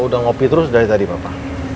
udah ngopi terus dari tadi bapak